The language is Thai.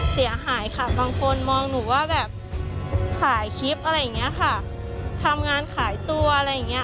เสียหายค่ะบางคนมองหนูว่าแบบขายคลิปอะไรอย่างเงี้ยค่ะทำงานขายตัวอะไรอย่างเงี้